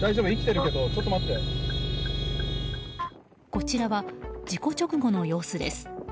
こちらは事故直後の様子です。